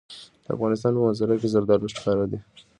د افغانستان په منظره کې زردالو ښکاره ده.